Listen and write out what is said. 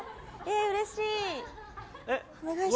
うれしい！